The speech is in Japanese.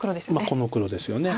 この黒ですよね。